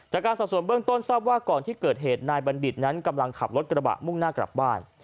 จากการสอบส่วนเบื้องต้นทราบว่าก่อนที่เกิดเหตุนายบัณฑิตนั้นกำลังขับรถกระบะมุ่งหน้ากลับบ้าน